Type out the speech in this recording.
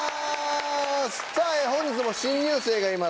さぁ本日も新入生がいます。